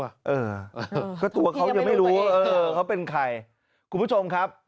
เออก็ตัวเขายังไม่รู้ว่าเออเขาเป็นใครคุณผู้ชมครับ